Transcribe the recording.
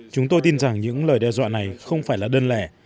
chúng tôi tin rằng những lời đe dọa này không phải là đơn lẻ